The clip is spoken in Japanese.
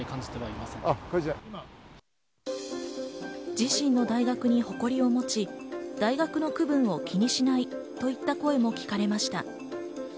自身の大学に誇りを持ち、大学の区分を気にしないといった声も聞かれました。